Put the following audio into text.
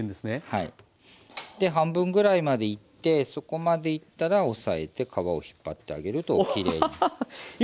で半分ぐらいまでいってそこまでいったら押さえて皮を引っ張ってあげるときれいに。うわっハハハ。